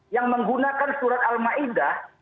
yang menggunakan surat al ma'idah